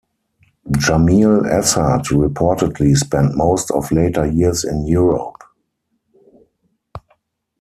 Jamil Assad reportedly spent most of later years in Europe.